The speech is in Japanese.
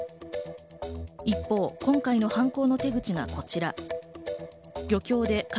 一方、今回の犯行の手口がこちら。